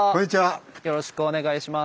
よろしくお願いします。